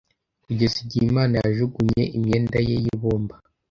Kugeza igihe imana yajugunye imyenda ye y'ibumba,